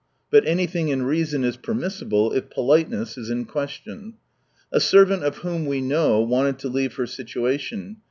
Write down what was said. But anything in reason is permissible, if politeness is in question. A servant of whom we know, wanted to leave her situation.